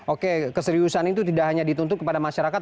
oke keseriusan itu tidak hanya dituntut kepada masyarakat